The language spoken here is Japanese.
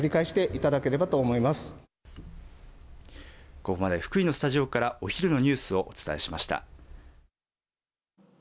ここまで福井のスタジオからお昼のニュースをお伝えしました。